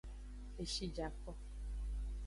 Eshi ja ko.